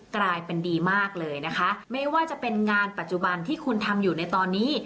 กลายเป็นดีมากเลยนะคะไม่ว่าจะเป็นงานปัจจุบันที่คุณทำอยู่ในตอนนี้